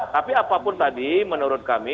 tapi apapun tadi menurut kami